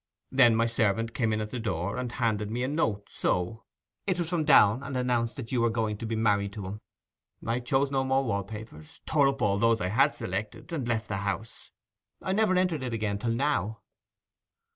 Then my servant came in at the door, and handed me a note, so. It was from Downe, and announced that you were just going to be married to him. I chose no more wall papers—tore up all those I had selected, and left the house. I never entered it again till now.